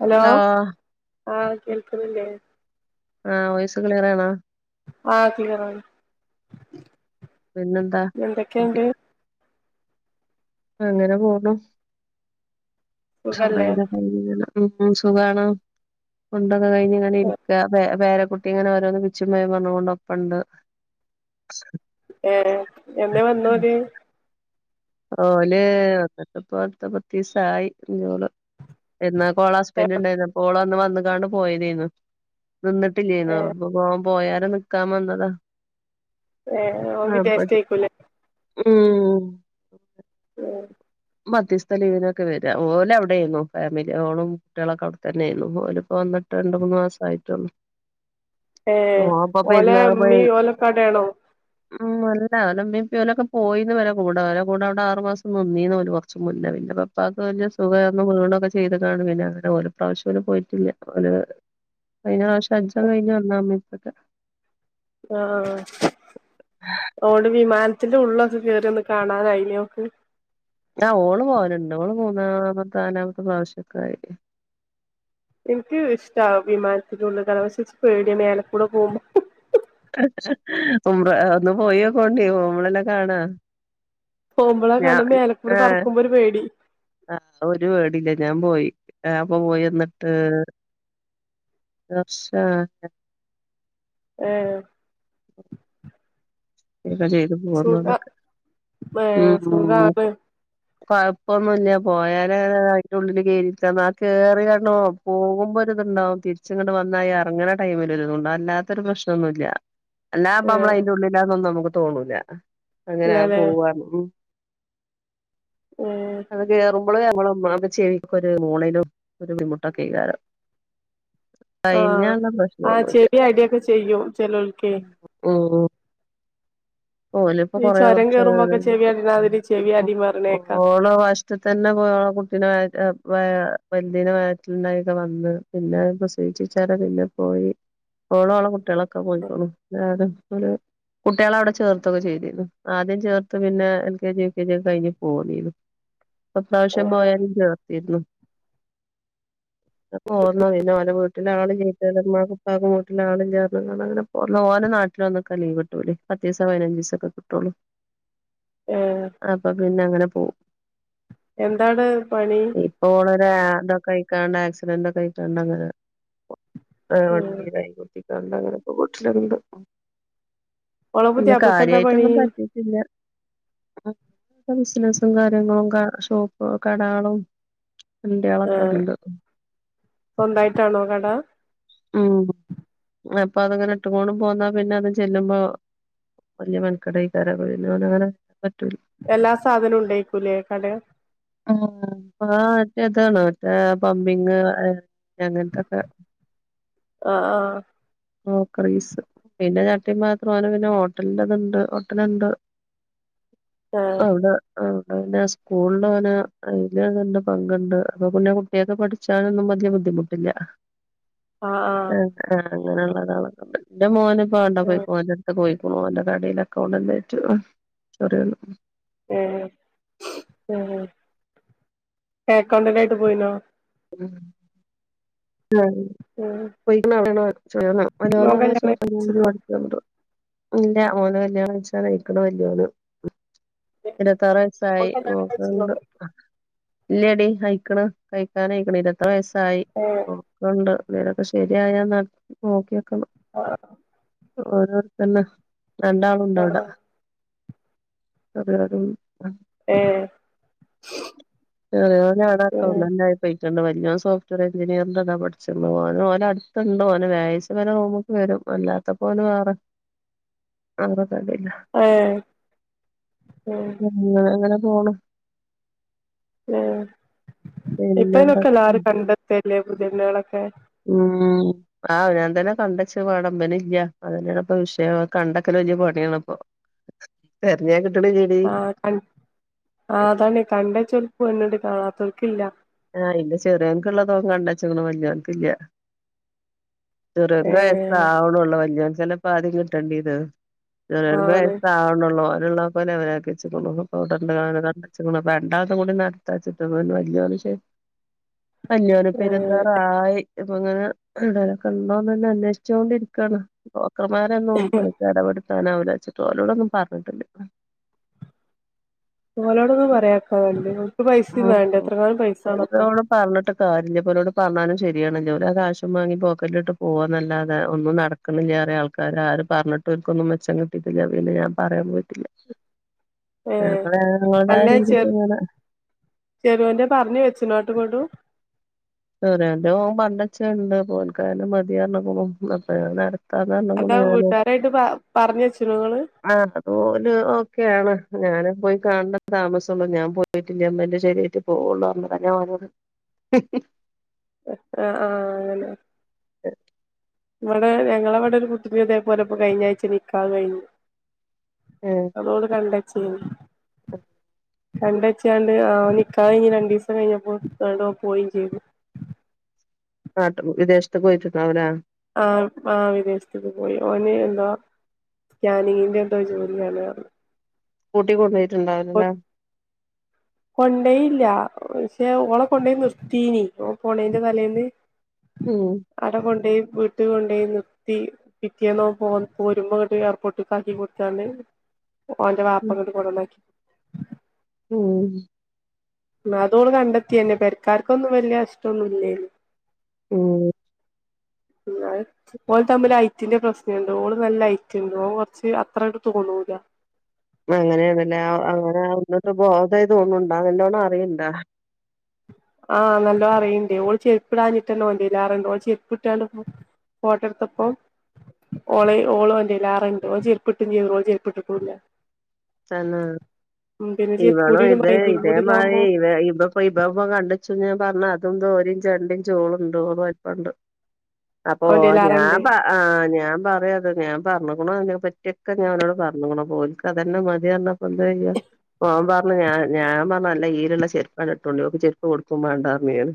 Hello ആ! കേൾക്കുന്നില്ലേ? ആവോയ്‌സ് ക്‌ളാരാണോ? ആഹ് ക്ലിയറാണ് പിന്നെന്താ കുട്ടി എന്തൊക്കെയുണ്ട് അങ്ങനെ പോണ സുഖല്ലേ [unintelligible] ഉഉ സുഖമാണോ? ക്കെ കഴിഞ്ഞ് ഇങ്ങനെ ഇരിക പേര പേരക്കുട്ടി കുട്ടി ഇങ്ങനെ ഓരോന്ന് പിച്ചിം പയിം പറഞ്ഞ് കൊണ്ട് കൊണ്ടൊപ്പ ഇണ്ട് ഏ എന്നെ വന്നോര് ഓല് ഒക്കപ്പോ അടുത്ത പത്തീസായി [unintelligible] പെരുനാൾക് അപ്പോള ഏ ഹസ്ബൻഡ് ഉണ്ടായിരുന്നു അപ്പോളന്ന് വന്ന കാണ്ട് പോയരരുന്നു നിന്നിട്ടില്ലരുന്നു ഏ അപ്പ- പോയരെ നിക്കാൻ വന്നതാ ഏ ഓൻ അപ്പൊ വിദേശത്തേക്കൂല ഉം ഏ ന് പത്തീസ്തേ ലീവനൊക്കെ വരാ ഓലെ അവിടെന്നു ഫാമിലി ഓളും കുട്ടികളൊക്കെ അവിടെത്തന്നെന്നു ഓല്പ്പ വ ട്ട് രണ്ട് മൂന്ന് മാസ ആട്ടുള്ളൂ ഏ ഓലമ്മീ ഓലക്കാടണോ? ഉം അല്ല ഒലെമ്മീ ഇപ്പിമ് ലൊക്കെ പോയിന്നു ഒലെ കൂടെ ഒലെ കൂടെ അവിടെ ആറുമാസം നിന്നീന്ന് ഓല് കുറച്ച് മുന്നേപിന്നെപ്പ വലിയ സുഖംന്നു വീണൊക്കെ ചെയ്ത് കാണ്ട് പിന്നെ അങ്ങനെ ഒരു പ്രാവശ്യംഓല് പോയിട്ടില്ല ഓല് കഴിഞ്ഞ പ്രാവശം ഹജ്ജക്കെ കഴിഞ്ഞ് വന്നാഇമ്മിമ് ഇപ്പിക്കേ ആ ഓട് വി മ അത്തിന്റെ ഉള്ളൊക്കെ കേറി ഒന്ന് കാണാനയി ഓക് അ ഓള് പോലുണ്ട് ഓള് മൂന്നാമത്തെ നാലാമത്തെ പ്രാവശ്യക്കയി എനിക്ക് ഇഷ്ട വിമാനത്തിനുള്ളിൽ കേറാൻ പക്ഷെ ഇച്ച് പേടിയാ മേലേക്കൂടെപോവുമ്പോ [unintelligible] ഉംറ ഒന്ന് പോയിക്കോണ്ടി പോവുമ്പാലല്ലേ കാണാ പോമ്പളെ കാണാ മേലക്കൂട് പറക്കുമ്പോ ഒരു പേടി അ ഒരു പേടില്ല ഞാൻ പോയി ണപ്പാപോയിന്നിട്ട് ഒരുവർഷ ഹെ [inaudible] ഇക്കെ ചെയ്ത് പോന്നു സുഖ അവിടെക്കെ ഏ ഉം സുഖാണ് കൊഴപ്പൊന്നുല്ല പോയാല് അതി ഉള്ളില് കേയറിട്ടന്ന കേറേ ണോ പോകുമ്പോ രു ണ്ടാവും തിരിച്ങ്ങണ്ട് വന്നായിൽ ഇറങ്ങുന്ന ടമിൽരു ത് ണ്ടോ അല്ലാത്തരു പ്രശ്നന്നുമല്ല അല്ലാപ്പ ഏ നമ്മൾ അയിന്റെള്ളിലാന്നൊന്നും നമുക്ക് തോന്നൂല അങ്ങനെ ഇല്ലല്ലേ പോവാ മ് ഏ അതൊക്കെെയറ നമ്മള് നമ്മള ചേവിൊക്കെ ഒരു മോളനും ഒരു ബിമുട്ടൊക്കെ ചെയ്താരോ ആഹ് കഴഞ്ഞുള്ള ആഹ് പ്രശ്നൊന്നുമല്ല ചെവി അടിയൊക്കെ ചെയ്യും ചെലോൽക്കെ ഉ പോഓല ഇപ്പോൊ ഈ കൊറേ ചൊരം വർഷ കേറുമ്പോക്കെ ചെവിയടിണാതിരി ചെവി അടിം പറിണേക്കാ ഓളോ വഷത്ത തന്നെ പോയ ഓള കുട്ടീ വ വലുദിന വയറ്റിലുണ്ടായിൊക്കെ വന്ന് പിന്നെ സീക്ഷിിച്ചാല പിന്നെ പോയി ഓളോഓള കുട്ടികളൊക്കെ പോയിക്കോുല്ല കുട്ടികള അവിടെ ചേർത്ത് ഇത്തൊക്കെ ചെയ്തിരുന്നു ആദ്യം ചേർത്ത് പിന്നെ L K G V K G ഒക്കെ കഴിഞ്ഞു പോന്നിരുന്നു ഇപ്പൊ പ്രാവശ്യം പോയാലും ചേർത്തിരുന്നു പോഓർന്നോ പിന്നെ ഓ വീട്ടില ആള് ചമാപ്പാകും വീട്ടില ആളും ചേർന്നങ്ങനെ പോഓന നാട്ടിൽ ഒന്നൊക്കെീവ് കട്ടൂല അത്യാം പതിനഞ്ച് ദിവസം ഒക്കെ കിട്ടുവൊള്ളൂ ഏഹ് അപ്പോ പിന്നെ അങ്ങനെ എന്താണ് പണി ഇപ്പോൾ ഒരു ആ ക്കെ കഴിക്കാണ്ട് ആക്സിഡന്റ് ഒക്കെ ആയിക്കൊണ്ട്ങ്ങനെ ഉം വണ്ടീടെ അതോണ്ടങ്ങനെ ഇപ്പൊ വീട്ടിലൊണ്ട് ഓളെ പിന്നെ പുതിയാപ്ലക്കെന്താ പണി കാര്യവായിട്ടൊന്നും പറ്റീട്ടില്ല ബിസിനസും കാര്യങ്ങളും ഷോപ്പ് കടകളും ആഹ് എന്റെയാളൊക്കണ്ട് സ്വന്തായിട്ടാണോ കട ഉം അപ്പൊ അതങ്ങനെ ഇട്ടുകൂടെം പോന്നാ പിന്നെ അതും ചെല്ലുമ്പോ വല്യ മെൻകട് അയ്ക്കാരം എല്ലാ സാധനവും ഉണ്ടേക്കൂലേ കട [unintelligible] എതാണോ മറ്റേ പമ്പിങ് അങ്ങനത്തൊക്കെ ആഹ് ക്രോക്കറീസ് പിന്നെ ചട്ടിയും പാത്രം പിന്നെ ഹോട്ടലിന്റെതുണ്ട് ഹോട്ടലുണ്ട് ആഹ് അവടെ ആഹ് പിന്നെ സ്കൂളിൽ അവനെ അതില് തന്നെ പങ്കുണ്ട് അപ്പൊ പിന്നെ കുട്ടിയളൊക്കെ പഠിച്ചാലൊന്നും വലിയ ബുദ്ധി ബുദ്ധിമുട്ടില്ല ആഹ് ആഹ് അങ്ങനെയുള്ളതാളൊക്ക എന്റെ മോന് ഇപ്പ ആണ്ട ആഹ് പോയി ആഹ് പോയിക്കണോ ഓന്റെ കടേൽ അക്കൗണ്ടന്റ് ആയിട്ട് ആഹ് അക്കൗണ്ടൻ്റായിട്ട് പോയിനോ ഉം ആഹ് ഉം പോയിക്കണ് മോൻ കല്യാണം കഴിച്ചിനോ [unintelligible] ഇല്ല ഓന് കല്യണാലോചിച്ചാൻ അയ്ക്ക്ണ് ഇരുപത്താറ് മോൻ വയസായി കല്യാണം നോക്കണ് കഴിച്ചിനോ ണ്ട് ഇല്ലടി അയിക്കണ് കഴിക്കാൻയിക്കണ് ഇരുപത്താറ് വയസ്സായി ഏഹ് നോക്കണണ്ട് അങ്ങൊക്കെ ശരിയായാ നോക്കിയോക്കണം [unintelligible] ഓരോത്തന്നെ ആഹ് രണ്ടാളുണ്ടവിടാ ആഹ് [unintelligible] ഏഹ് ഏഹ് അക്കൗണ്ടന്റെ ആയിപ്പോയി ഞാൻ സോഫ്റ്റ്വെയർ എഞ്ചിനിയയറിൻ്ാ പഠിച്ചോല അടുുണ്ടോ അവന വാച്ച വല നോമുക്ക് വരും വല്ലാത്ത പോലും ആറ് ഏഹ് ഉം അങ്ങനെ പോണ് ആ ഇപ്പേനൊക്കെ പിന്നെന്തൊക്കെ എല്ലാവരും കണ്ടെത്തല്ലേ പുധനികളൊക്കെ ഉമ് ആഹ് അവനോൻതന്നെ കണ്ടേച്ചു വേണം പിന്നെ ഇല്ല അതന്നെയാണപ്പ വിഷയം ആ കണ്ടക്കറിഞ്ഞും [unintelligible] ആ ക ആ അതാണ് കണ്ടെ ചോൽപ്പ് വരുന്നുണ്ട് കാണാത്തോർക്കില്ല ആഹ് ഇന്ന് ചെറിയതിങ്ങക്കുള്ളത് കണ്ടേച്ച്ക്ക്ണ് വല്യവർക്കില്ല ചെറിയങ്ങക്ക് വയസ് ഏഹ് ആവണെ ഒള്ളു വല്ല്യവന് പാതി ഇരുപത്തി രണ്ടിൽ കേറും ചെറിയതിങ്ങക്ക് ആണ് വയസ് ആവണെ ഒള്ളു [unintelligible] അഞ്ഞൂറ് ഏഹ് പേരെത്താറായി ഇപ്പൊ ഇങ്ങനെഎന്തൊലും ഒക്കെ ഉണ്ടോന്ന് തന്നെ അന്വേഷിച്ചോണ്ടിരിക്കുവയാണ് ചെറുക്കന്മാരെയൊന്നും അതിൽ ഇടപെടുത്താൻ ആവില്ല അവലോടൊന്നും പറഞ്ഞിട്ടുണ്ട് ഓനോട് ഒന്ന് പറഞ്ഞേക്കാവോ [unintelligible] പറഞ്ഞിട്ട് [unintelligible] പറഞ്ഞാലും [unintelligible] ശരിയണല്ലോ അത് കാശം വാങ്ങി പോക്കറ്റിലിട്ട് പോവാൻന്നല്ലാതെ ഒന്നും നടക്കണില്ല വേറെ ആൾക്കാര് ആര് പറഞ്ഞിട്ട് എനിക്കൊന്നും മെച്ചം കിട്ടിയിട്ടില്ല പിന്നെ ഞാൻ പറയാൻ പോയിട്ടില്ല ഏഹ് ഞങ്ങ ഞങ്ങളുടേതായ അല്ല ചെ രീതിക്കങ്ങന്നെ ചെറിയോന്റെ പറഞ്ഞു വെച്ചനോ അങ്ങോട്ടുമിങ്ങോട്ടും [unintelligible] അതാ പറഞ്ഞ്ക്ക്ണു ഞാന് വീട്ടുകാരായിട്ട് പ പറഞ്ഞച്ചുണോങ്ങള് ആ അതോല് ഓക്കെയണ് ഞാനും പോയി കാണേണ്ട താമസംള്ളു ഞാൻ പോയിട്ടില്ലേ അമ്മ എന്റെ ശരിയിട്ട പോവള്ളു പറഞ്ഞതാ ഞാൻ ഒന്നോട് [inaudible] ആഹ് ഹാ ആ അങ്ങനെ ശ [unintelligible] ഇവിടെ ഞങ്ങളടെ ഒരു കുട്ടി ഇതേപോലെ ഇപ്പോ കഴിഞ്ഞഴ്ച്ച നിക്കാഹ് കഴിഞ്ഞു ഏഹ് അതോള് കണ്ടേച്ചീനി [inaudible] കണ്ടച്ചാണ്ട് ആ നിക്കാഹ് കഴിഞ് രണ്ടീസം കഴിഞ്ഞപ്പോ പോയിം ചെയ്തു ആട്ട വിദേശത്ത പോയത് അവരാ ആ ആ വിദേശത്തേക്ക് പോയി ഓന് എന്താ സ്കാനിങ്ങിന്റെ ന്റെ ഒക്കെ ജോലിയാണ് പ കൂട്ടി കൊണ്ടോയിട്ടുണ്ടായില്ലല്ലേ കൊണ്ടോയില്ല പക്ഷെ ഓളെ കൊണ്ടോയി നിർത്തീനി ഓൻ പൊണേന്റെ തലേന്ന് ഉം അട കൊണ്ടേയി വീട്ട കൊണ്ടയി നിത്തി പിറ്റേന്ന് പോ പോരുമ്പോങ്ങോട്ട് എയർപോർട്ടിക് ആക്കി കൊടുത്താണ്ട് ഓന്റെ വാപ്പ ഉം ഇങ്ങോട്ട് കൊണ്ടന്നാക്കി ഉം ആ അതോട് കണ്ടെത്തിയന്നെ പെരക്കാാര്ക്കൊന്നും വല്ല്യ ഇഷ്ട്ടൊന്നുല്ല്യാന്ന് ഉം പിന്ന ഓൾ തമ്മിൽ ഹൈറ്റ് ൻ്റെയും പ്രശ്നണ്ട് ഓള് നല്ല ഹൈറ്റ് ഉണ്ട് ഓൻ കൊറച്ച് അത്ര ട്ട് തോന്നൂല [inaudible] അങ്ങനെയണ്ല്ലേ അങ്ങനെ ഒന്നിട്ട് ബോതായി തോന്നണ്ടോ ന്നല്ലോണം അറിയിണ്ട ആ നല്ലോണ്ണം അറയിണ്ട് ഓള് ചെരുപ്പിടാഞ്ഞിട്ടന്നോ വല്ലാറുണ്ട് ഓൻ ചെരിപ്പിട്ടുല്പോ ഫോട്ടടുത്തപ്പം ഓള ഓളല്ലറണ്ട് ഓൾ ചെരിപ്പിട്ടും ചെയ്ത് ഓൻ ചെരിപ്പിട്ടുല്ല്യ തന്നെ ഇവളും ചെരുപ്പൂടിടുമ്പോ ഇതേ അയിന്റിം ഇതേ കൂടി മാറി ഇതാവുമ്പോ ഇവ ഇവ പ്പ ഉ്പ കണ്ടിച്ചു ഞാൻ പറഞ്ഞ അതും ഒരു ഒരിഞ്ച് രണ്ടിഞ്ച് ഓൾ വലിപ്പം ഉണ്ട് അപ്പൊ ഓൻ ഞാൻ ഓന്റെയ്ലാറണ്ട് പ ആ ഞാൻ പറയാത് ഞാൻ പറഞ്ഞു െ [unintelligible] പറ്റിയൊക്കെ ഞാൻോട് പറഞ്ഞിക്കുണു അപ്പം ഓൽക്ക് അതന്നെ മതി പറഞ്ഞാപ്പോ എന്ത ചെയ്യാം ഓൻ പറഞ്ഞ് ഞാൻ ഞാൻ പറഞ്ഞല്ല ഹില്ലുള്ള ചെരുപ്പാണ് ഇട്ടണ്ടോക്ക് ഓൾ ക്ക് ചെരുപ്പ് കൊടുക്കുമാണ്ടറഞ്ഞ് ഞാന്.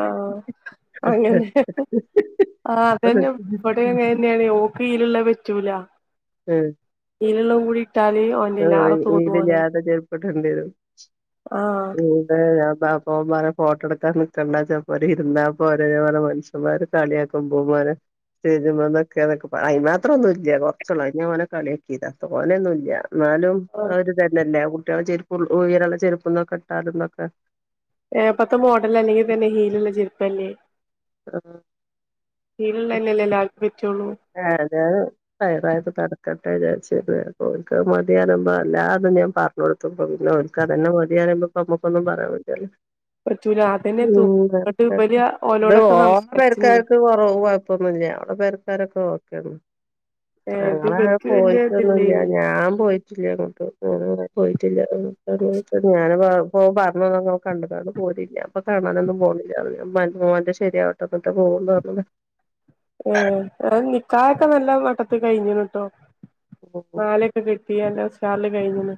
ആഹ അങ്ങനെ ആ അതന്നെ ഇവിടെ അങ്ങനെ തന്നെയാണ് ഓക്ക് യിലുള്ളത് പറ്റൂല ഉം ഈല്ള്ളതും കൂടി ഇട്ടാല് ഓന്റെയ്ലാറെ തോന്നു ഓള് ഹീലില്ലാത്ത ചെരുപ്പിടേണ്ടി വരും ആഹ് ഉം താ ഞ പാപ്പമാ ഫോട്ടോ എടുക്കാൻ നിക്കണ്ട ചിലപ്പോര് ഇരുന്നാപ്പോറീ ഞാൻ പറയ മനുഷ്യമാര് കളിയാക്കുമ്പോ [inaudible] മാത്രം ഒന്നും ഇല്ല കുറ ഓനെ കളിയൊക്കിതാ തോനെ ഒന്നുല്ല്യ എന്നാലും ആ ആഹ് ഒരുതനല്ലേ കു കുട്ട്യാളെ ചെരുപ്പും ഉയരള്ള ചെരുപ്പൊന്നൊക്കെ ഇട്ടാലൊന്നൊക്കെ ഏ പത്തെ മോഡൽ അല്ലെങ്കിൽ തന്നെ ഹീലുള്ള ചെരുപ്പല്ലേ ഹീലുള്ളന്നെല്ലേ എല്ലാക്കും ഇഷ്ടം ആ [unintelligible] സൈഡ് ആയിട്ട് നടക്ക ഞാൻ വിചാരിച്ച് ഓൾക്ക്‌ മതിയാനുമ അല്ലാതും ഞാൻ പറഞ്ഞുകൊടുത്തേക്ക്ണ് പിന്നെ ഒക്ക് അതന്നെ മതിയ പിന്നെ ഇപ്പോ നമുക്കൊന്നും പറയാൻ പറ്റില്ലല്ലോ പറ്റൂല അതന്നെ തു ന്നട്ട് ഇവല് ഓലോടൊക്കെ [unintelligible] സംസാരിച്ച്ണ് പെരക്കാർക്ക് കൊറവ് കൊഴപ്പൊന്ന ഇല്ല്യ [unintelligible] പെര്ക്കാരൊക്കെ ഓക്കേണ്. ഏത് ഞങ്ങള് ഇവൽക്ക് വല്യ പോയിട്ടൊന്നൂല്ല്യ ഇതില്ലേനി ഞാൻ പോയി [unintelligible] കണ്ട്ക്കാണ്ട് പോ തില്ല്യ അപ്പൊ കാണാനൊന്നും പോണില്ല ഹ് മ് ന്റെ മോന്റെ ശരിയാവട്ടെ ന്നിട്ട് പോവുന്ന്. [unintelligible] ഏ നിക്കാഒക്കെ നല്ല മട്ടത്ത് കയിഞ്ഞ്ണ് ട്ടൊ. ഉം മാലൊക്കെ കെട്ടി നല്ല ഉഷാർല് കഴിഞ്ണ്.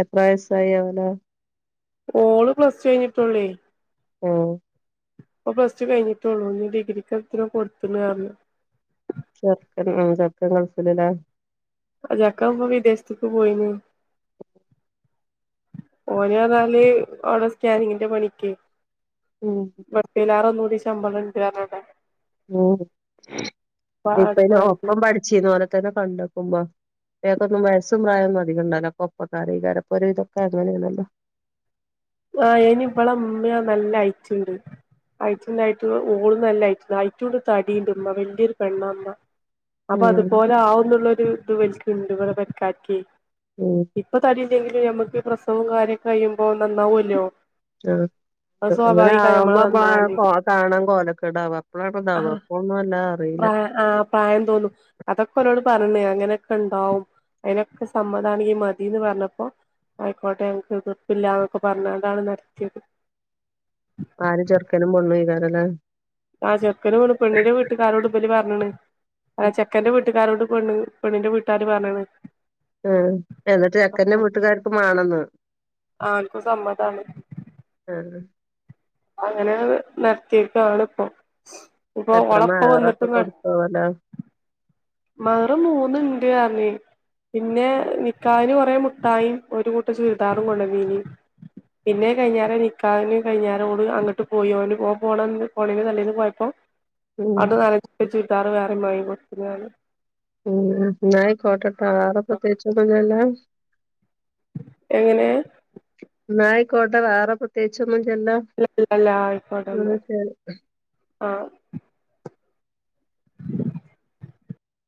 എത്ര വയസ്സായി അവന്? ഓള് പ്ലസ് ടു കഴിഞ്ഞിട്ടുള്ളേ. ഹ്മ്. ഇപ്പ പ്ലസ് ടു കഴിഞ്ഞിട്ടുള്ളൂ ഇനി ഡിഗ്രിക്കെത്തിനോ കൊടുത്ത്ണ് അറഞ്. ചെർക്കൻ ആ ചെർക്കൻ ഗൾഫിൽ ലെ. ആ ചെക്കൻ പ്പം വിദേശത്ത്ക്ക് പോയിണ്. ഓന് [unintelligible] അഉടെ സ്കാനിങ്ങിന്റെ പണിക്ക്. ഉം മറ്റിലേറെ ഒന്നുടെ ശമ്പളണ്ട് ന്നറിഞ് അഉടെ. ഉം ഇപ്പ ആടെ അയിന് പോയതാണ് ഒപ്പം പഠിച്ചിനോൽത്തന്നെ കണ്ട ഇപ്പ മർ ട്ട്യാക്കൊന്നും വയസ്സും പ്രായൊന്നും അധികണ്ടാവൂല ഒക്കെ ഒപ്പകാ രേക്കാരം ഇപ്പൊ ഒരുവിദൊക്കെ അങ്ങനേണല്ലോ. [inaudible] ആ അയിന് ഇവളമ്മീം നല്ല അയിറ്റ്ണ്ട്. ഐറ്റ്ണ്ടായിട്ട് ഓള് നല്ല ഐറ്റ്‌ ഐറ്റുണ്ട് തടീണ്ട് മ്മ വല്യൊരു പെണ്ണ മ്മ. അപ്പൊ ഉം അതുപോലെ ആവുന്നുള്ളൊരു ഇത് ഇവൽക്ണ്ട് ഇവളെ പേരക്കര്ക്കെ ഉം ഇപ്പ തടി അല്ലെങ്കിലും ഞമ്മക്ക് പ്രസവും കാര്യൊക്കെ കയിയുമ്പോ നന്നാവൊല്ലോ. ആഹ്. [unintelligible] അങ്ങനെ ആവുമ്പോഅപ്പൊ ആ നന്നാവല് കൊ കാണാൻ കോലക്കെടാവ അപ്പളാ ഇതാവ ഇപ്പൊന്നു വല്ലാ അറീ അ ആ പ്രായം തോന്നും അതൊക്കെ ഒരോട് പ പറഞ് അങ്ങനൊക്കെ ഉണ്ടാവും അതിനൊക്കെ സമ്മതാണെങ്കി മതീന്ന് പറഞ്ഞപ്പോ. ആയിക്കോട്ടെ ഞങ്ങക്ക് എതിർപ്പില്ലന്നൊക്കെ പറഞ്ഞണ്ടാണ് നടത്തിയത്. ആര് ചെറുക്കനും പെണ്ണു ഏക്കാരല്ലേ? ആ ചെർക്കന് [unintelligible] പെണ്ണിന്റെ വീട്ടുകാരോട് ഇബല് പറഞ്ഞണ് ചെക്കൻന്റെ വീട്ടുകാരോട് പെണ്ണ് പെണ്ണിന്റെ വീട്ടേര് പറഞ്ണ്. എ എന്നിട്ട് ചെക്കൻറെ വീട്ടുകാര്ക്ക് മാണെന്ന്. ആൾക്കു സമ്മതാണ്. ആഹ് അങ്ങനെ ഹ് നിർത്തീകാണിപ്പോ. ഇപ്പൊ എത്ര ഓളപ്പ വന്നിട്ട് മഹറൊക്കെ നട് കൊടുത്തോലോ മഅറ് മൂന്നിണ്ട് റ്ഞ് പിന്നെ നിക്കഇന് പ മുട്ടായും ഒരു കൂട്ട് ചുര്ദാറും കൊണ്ടന്നീനി. പിന്നെ അത്‌ കഴിഞാരേ നിക്കാഇന് കഴിഞ്ഞാരെ ഓള് അങ്ങട്ട് പോയി ഓൻ ഓന് പോണന്ന് [unintelligible] തലേന്ന് പോയപ്പോ. ഉം [unintelligible] വേറിം മാങ്ങി കൊടുത്ക്ണ് [unintelligible] ഉം ന്നായിക്കോട്ട ട്ട വേറെ പ്രത്യച്ചൊന്നും ല്ലല്ലോ. എങ്ങനെ? ക്കോട്ടെ വേറെ പ്രത്യേച്ചൊ ല്യല്ലോ അല്ല അല്ല ന്ന ആയിക്കോട്ടെന്നാ ശരി. ആഹ്